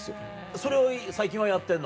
それを最近はやってんの？